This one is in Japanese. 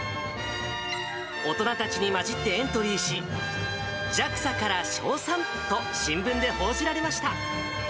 大人たちに交じってエントリーし、ＪＡＸＡから称賛と新聞で報じられました。